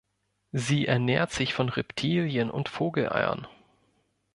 Sie ernährt sich von Reptilien- und Vogeleiern.